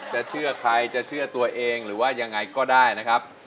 เชื่อใครจะเชื่อตัวเองหรือว่ายังไงก็ได้นะครับ